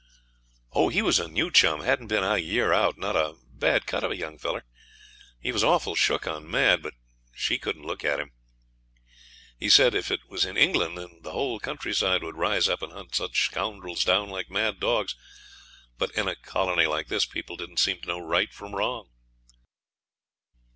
'Oh, he was a new chum; hadn't been a year out. Not a bad cut of a young feller. He was awful shook on Mad; but she wouldn't look at him. He said if it was in England the whole countryside would rise up and hunt such scoundrels down like mad dogs; but in a colony like this people didn't seem to know right from wrong.'